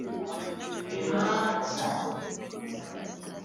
nigihe cy ihagarikwa ryacyo